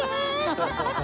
ハハハハ。